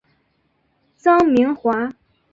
臧明华。